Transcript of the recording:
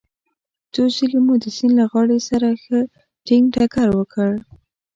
څو ځلې مو د سیند له غاړې سره ښه ټينګ ټکر وکړ.